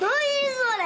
それ！